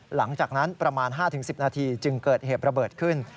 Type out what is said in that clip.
หลังจากนั้นประมาณ๕๑๐นาทีจึงเกิดเหตุระเบิดขึ้น